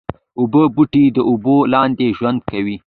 اوبو بوټي د اوبو لاندې ژوند کوي